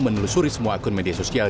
menelusuri semua akun media sosial